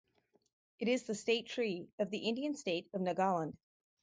It is the state tree of the Indian state of Nagaland.